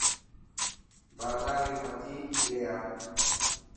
بازار ري ڀاڄي لي آءِ.